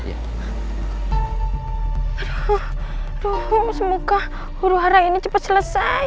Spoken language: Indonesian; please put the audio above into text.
aduh semoga huru hara ini cepet selesai